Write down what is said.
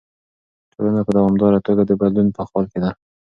ټولنه په دوامداره توګه د بدلون په حال کې ده.